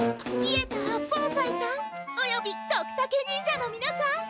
稗田八方斎さんおよびドクタケ忍者のみなさん！